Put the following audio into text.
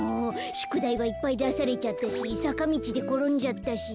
しゅくだいはいっぱいだされちゃったしさかみちでころんじゃったし。